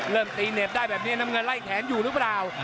ตีเหน็บได้แบบนี้น้ำเงินไล่แขนอยู่หรือเปล่า